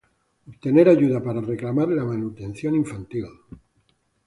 obtener ayuda para reclamar la manutención infantil